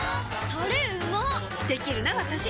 タレうまっできるなわたし！